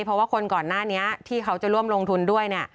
เพราะว่าคนก่อนหน้านี้ที่เขาจะร่วมลงทุนด้วยเนี่ย